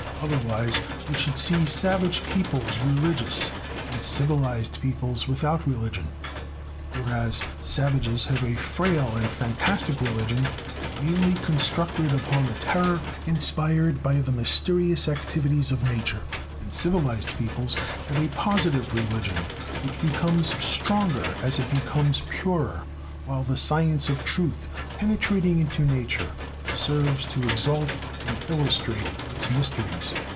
Otherwise we should see savage peoples religious and civilized peoples without religion; whereas savages have a frail and fantastic religion, mainly constructed upon the terror inspired by the mysterious activities of Nature, and civilized peoples have a positive religion, which becomes stronger as it becomes purer, while the science of truth, penetrating into Nature, serves to exalt and illustrate its mysteries.